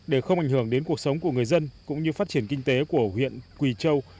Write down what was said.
để không ảnh hưởng đến cuộc sống của người dân cũng như phát triển kinh tế của huyện quỳ châu